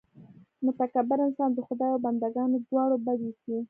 متکبر انسان د خدای او بندګانو دواړو بد اېسي.